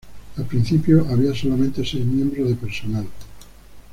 Al principio había solamente seis miembros de personal.